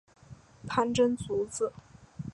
潘珍族子。